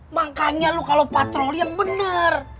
makanya lu kalo patroli yang bener